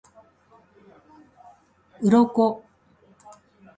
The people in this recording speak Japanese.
鱗